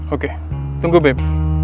oke tunggu beb